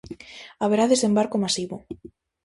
Haberá desembarco masivo.